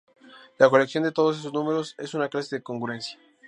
La colección de todos esos números es una clase de congruencia.